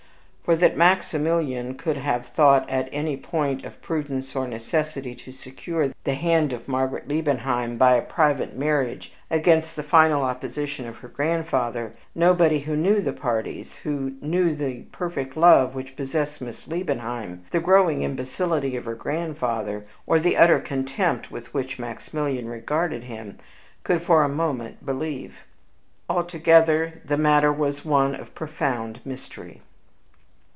For, that Maximilian could have thought it any point of prudence or necessity to secure the hand of Margaret Liebenheim by a private marriage, against the final opposition of her grandfather, nobody who knew the parties, who knew the perfect love which possessed Miss Liebenbeim, the growing imbecility of her grandfather, or the utter contempt with which Maximilian regarded him, could for a moment believe. Altogether, the matter was one of profound mystery.